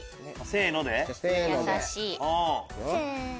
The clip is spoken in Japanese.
せの！